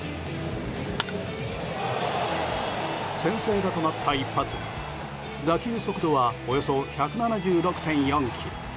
先制打となった一発は打球速度はおよそ１７６．４キロ